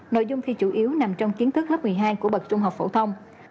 nội dung thi chủ yếu nằm trong kiến thức lớp một mươi hai của bậc trung học phổ thông